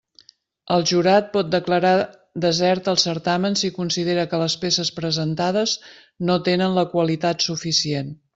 El jurat pot declarar desert el certamen si considera que les peces presentades no tenen la qualitat suficient.